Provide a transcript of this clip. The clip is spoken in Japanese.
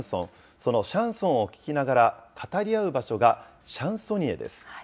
そのシャンソンを聴きながら、語り合う場所が、シャンソニエです。